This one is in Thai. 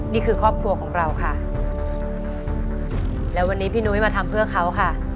นี่คือครอบครัวของเราค่ะแล้ววันนี้พี่นุ้ยมาทำเพื่อเขาค่ะ